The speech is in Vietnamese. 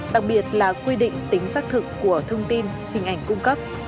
đặc biệt là quy định tính xác thực của thông tin hình ảnh cung cấp